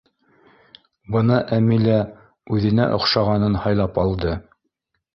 Бына Әмилә үҙенә оҡшағанын һайлап алды.